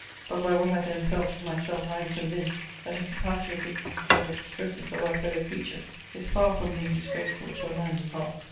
But by what I then felt, in myself, I am convinced, that a capacity of being moved by the distresses of our fellow creatures, is far from being disgraceful to a manly heart.